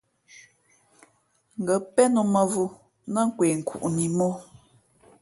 Ngα̌ pén ō mα̌vō nά kwe nkuʼni mǒ.